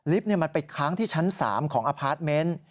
มันไปค้างที่ชั้น๓ของอพาร์ทเมนต์